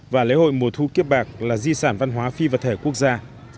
và lễ hội mùa thu kiếp bạc là di sản văn hóa phi vật thể quốc gia